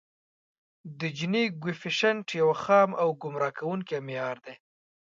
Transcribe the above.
د جیني کویفیشینټ یو خام او ګمراه کوونکی معیار دی